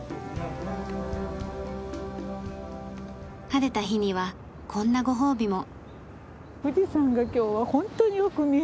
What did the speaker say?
晴れた日にはこんなご褒美も。